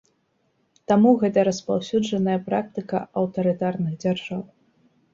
Таму гэта распаўсюджаная практыка аўтарытарных дзяржаў.